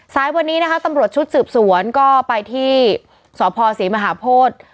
สายวันนี้นะคะตำรวจชุดสืบสวนก็ไปที่สพศรีมหาโพธิ